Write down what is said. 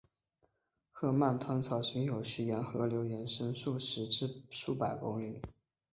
河漫滩草甸有时沿河流延伸数十至数百公里。